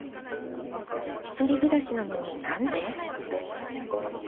一人暮らしなのになんで？